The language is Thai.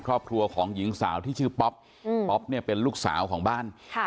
ครอบครัวของหญิงสาวที่ชื่อป๊อปอืมป๊อปเนี่ยเป็นลูกสาวของบ้านค่ะ